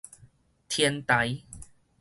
天臺